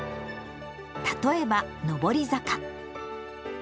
例えば、上り坂。